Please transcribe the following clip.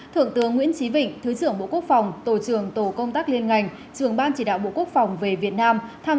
thượng tướng nguyễn trí vĩnh thứ trưởng bộ quốc phòng tổ trưởng tổ công tác liên ngành